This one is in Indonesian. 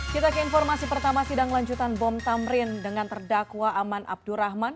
kita ke informasi pertama sidang lanjutan bom tamrin dengan terdakwa aman abdurrahman